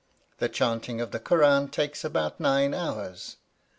This chanting of the Kur ân takes up about nine hours.